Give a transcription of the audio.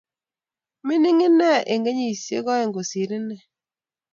Mining ine eng kenyishek aeng kosir inet